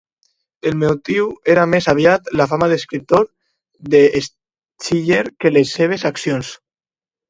El motiu era més aviat la fama d'escriptor de Schiller que les seves accions.